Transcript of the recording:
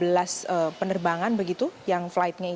lalu ada juga penumpang yang sudah masuk ke bandara ini